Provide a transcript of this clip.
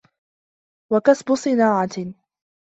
وَكَسْبُ صِنَاعَةٍ